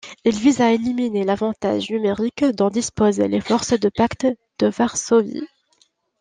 Il vise à éliminer l’avantage numérique dont disposent les forces du Pacte de Varsovie.